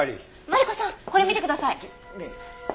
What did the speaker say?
マリコさんこれ見てください。